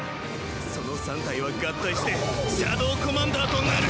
その３体は合体してシャドウコマンダーとなる！！